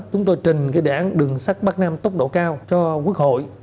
chúng tôi trình cái đảng đường sắt bắc nam tốc độ cao cho quốc hội